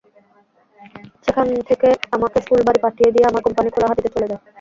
সেখান থেকে আমাকে ফুলবাড়ী পাঠিয়ে দিয়ে আমার কোম্পানি খোলাহাটিতে চলে যায়।